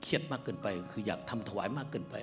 ขอสีดีมากไปคืออยากทำถวายมากเกินไป